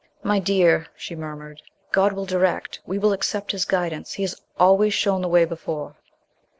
"My dear," she murmured, "God will direct. We will accept His guidance. He has always shown the way before."